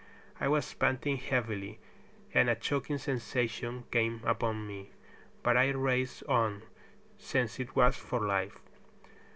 I was panting heavily, and a choking sensation came upon me, but I raced on, since it was for life.